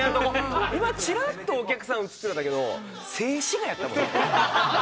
今ちらっとお客さん映ってたんだけど静止画やったもんね。